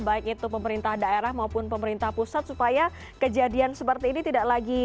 baik itu pemerintah daerah maupun pemerintah pusat supaya kejadian seperti ini tidak lagi